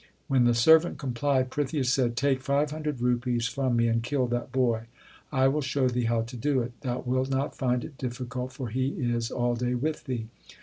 When the servant complied, Prithia said, Take five hundred rupees from me and kill that boy. I will show thee how to do it. Thou wilt not find it difficult, for he is all day with thee.